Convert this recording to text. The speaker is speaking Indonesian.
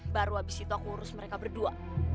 baru habis itu aku urus mereka berdua